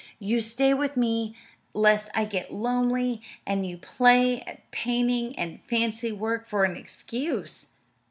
You stay with me lest I get lonely; and you play at painting and fancy work for an excuse.